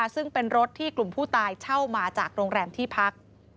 ซึ่งเป็นรถที่กลุ่มผู้ตายเช่ามาจากโรงแรมที่พัก